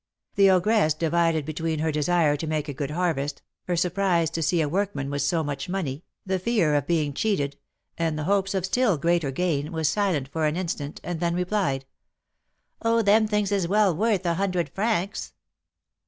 The ogress, divided between her desire to make a good harvest, her surprise to see a workman with so much money, the fear of being cheated, and the hopes of still greater gain, was silent for an instant, and then replied, "Oh, them things is well worth a hundred francs."